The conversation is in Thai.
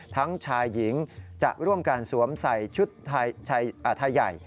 ทั้งชายหญิงจะร่วมการสวมใส่ชุดไทยใหญ่